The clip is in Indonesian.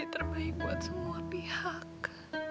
jadi terbaik buat semua pihak